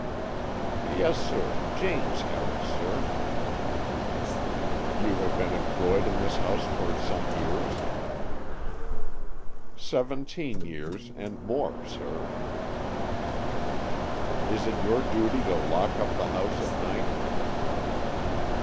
"Yes, sir; James Harris, sir." "You have been employed in this house for some years?" "Seventeen years and more, sir." "Is it your duty to lock up the house at night?"